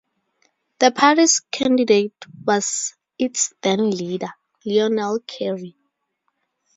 The party's candidate was its then-leader, Lionel Carey.